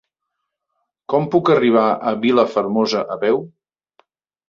Com puc arribar a Vilafermosa a peu?